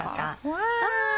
うわ！